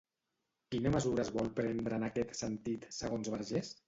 Quina mesura es vol prendre en aquest sentit, segons Vergés?